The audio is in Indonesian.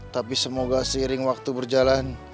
tapi semoga seiring waktu berjalan